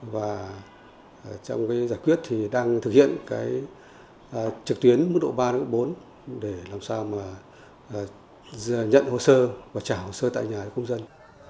và trong giải quyết thì đang thực hiện trực tuyến mức độ ba bốn để làm sao nhận hồ sơ và trả hồ sơ tại nhà công dân